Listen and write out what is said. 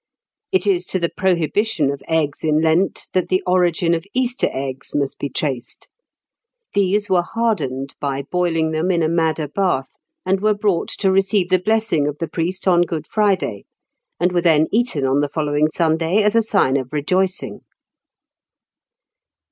It is to the prohibition of eggs in Lent that the origin of "Easter eggs" must be traced. These were hardened by boiling them in a madder bath, and were brought to receive the blessing of the priest on Good Friday, and were then eaten on the following Sunday as a sign of rejoicing.